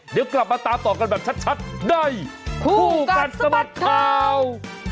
เดี๋ยวกลับมาตามต่อกันแบบชัดชัดได้ผู้กัดสมัครข่าว